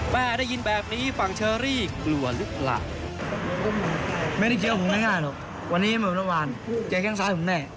ได้ยินแบบนี้ฝั่งเชอรี่กลัวหรือเปล่า